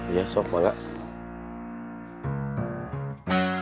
iya sof mak gak